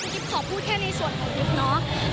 ขอพูดแค่ในส่วนของกิ๊บเนาะ